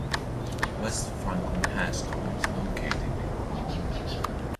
West Franklin High School is located in Pomona.